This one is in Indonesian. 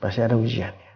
pasti ada ujiannya